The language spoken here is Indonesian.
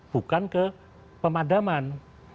bukan ke pemadaman